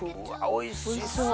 おいしそう。